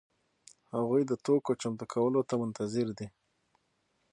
هغوی د توکو چمتو کولو ته منتظر دي.